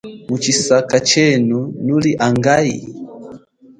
Mutshisaka tshenu nuli angahi.